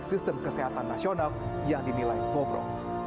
di sistem kesehatan nasional yang dinilai bobro